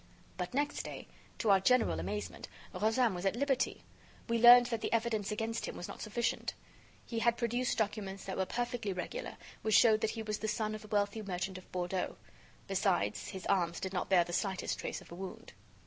But, next day, to our general amazement, Rozaine was at liberty. We learned that the evidence against him was not sufficient. He had produced documents that were perfectly regular, which showed that he was the son of a wealthy merchant of Bordeaux. Besides, his arms did not bear the slightest trace of a wound.